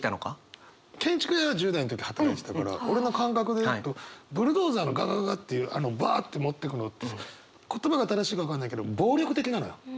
建築屋で１０代の時働いてたから俺の感覚で言うとブルドーザーのガガガガっていうあのバアって持ってくのって言葉が正しいか分からないけど暴力的なのよ。